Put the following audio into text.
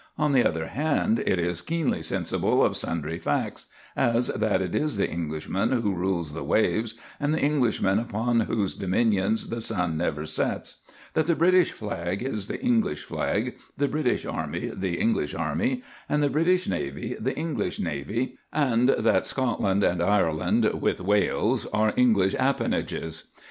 On the other hand, it is keenly sensible of sundry facts as that it is the Englishman who rules the waves and the Englishman upon whose dominions the sun never sets; that the British flag is the English flag, the British army the English army, and the British navy the English navy, and that Scotland and Ireland, with Wales, are English appanages.